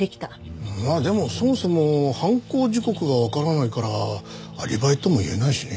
いやでもそもそも犯行時刻がわからないからアリバイともいえないしね。